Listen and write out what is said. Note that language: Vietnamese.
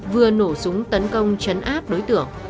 vừa nổ súng tấn công chấn áp đối tượng